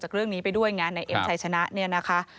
จากเรื่องนี้ไปด้วยไงในเอมชัยชนะ